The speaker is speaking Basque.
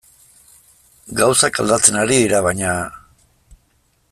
Gauzak aldatzen ari dira, baina...